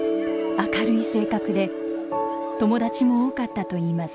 明るい性格で友達も多かったといいます。